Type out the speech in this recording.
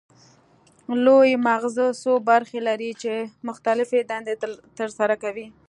لوی مغزه څو برخې لري چې مختلفې دندې ترسره کوي